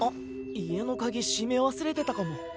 家のカギ閉め忘れてたかも！